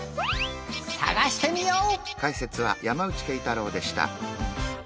さがしてみよう！